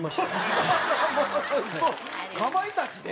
そうかまいたちで？